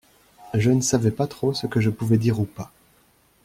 Je ne savais pas trop ce que je pouvais dire ou pas.